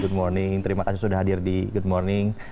good morning terima kasih sudah hadir di good morning